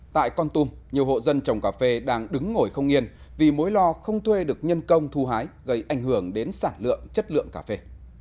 tại con tum nhiều hộ dân trồng cà phê đang đứng ngồi không nghiền vì mối lo không thuê được nhân công thu hái gây ảnh hưởng đến sản lượng chất lượng cà phê